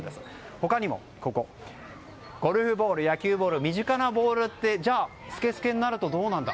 他にも、ゴルフボール野球ボール、身近なボールってスケスケになるとどうなんだ？